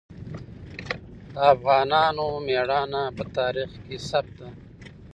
د افغانانو ميړانه په تاریخ کې ثبت ده.